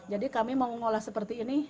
jadi kami mau ngolah seperti ini